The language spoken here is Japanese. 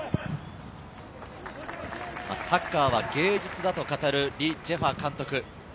サッカーは芸術だと語るリ・ジェファ監督。